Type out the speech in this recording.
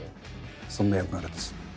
そんな役柄です